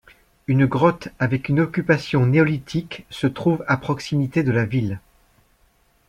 Une grotte avec une occupation néolithique se trouve à proximité de la ville.